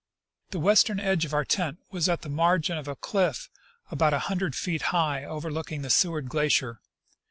The western edge of our tent was at the margin of a cliff about a hundred feet high, overlooking the Seward glacier.